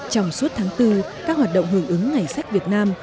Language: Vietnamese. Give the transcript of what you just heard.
trong suốt tháng bốn các hoạt động hưởng ứng ngày sách việt nam